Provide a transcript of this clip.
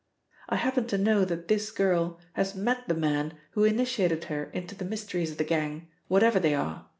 I happen to know that this girl has met the man who initiated her into the mysteries of the gang, whatever they are.